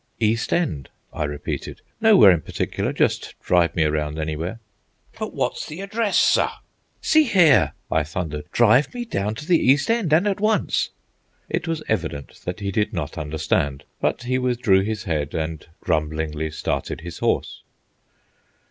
"East End," I repeated. "Nowhere in particular. Just drive me around anywhere." "But wot's the haddress, sir?" "See here!" I thundered. "Drive me down to the East End, and at once!" It was evident that he did not understand, but he withdrew his head, and grumblingly started his horse.